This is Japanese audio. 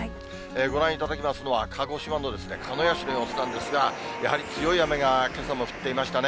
ご覧いただきますのは、鹿児島の鹿屋市の様子なんですが、やはり強い雨がけさも降っていましたね。